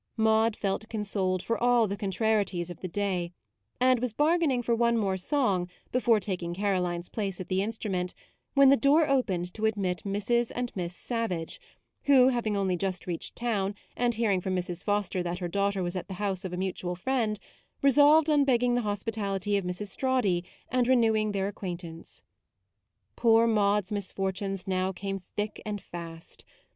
Maude felt consoled for all the con trarieties of the day ; and was bar gaining for one more song before taking Caroline's place at the instru ment when the door opened to admit Mrs. and Miss Savage; who, having only just reached town, and hearing from Mrs. Foster that her daughter was at the house of a mutual friend, resolved on begging the hospitality of Mrs. Strawdy, and renewing their acquaintance. Poor Maude's misfortunes now came thick and fast.